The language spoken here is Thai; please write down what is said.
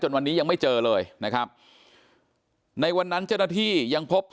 วันนี้ยังไม่เจอเลยนะครับในวันนั้นเจ้าหน้าที่ยังพบ